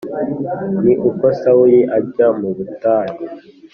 Ni uko Sawuli ajya mu butayu